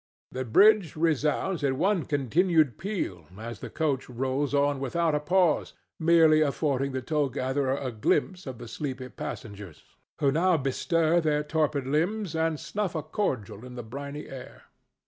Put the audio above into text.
The bridge resounds in one continued peal as the coach rolls on without a pause, merely affording the toll gatherer a glimpse at the sleepy passengers, who now bestir their torpid limbs and snuff a cordial in the briny air.